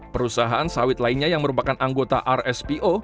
perusahaan sawit lainnya yang merupakan anggota rspo